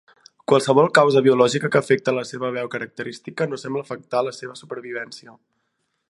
Qualsevol causa biològica que afecta la seva veu característica no sembla afectar la seva supervivència.